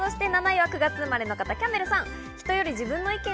７位は９月生まれの方、キャンベルさん。